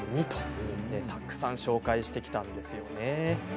たくさん紹介してきたんですよね。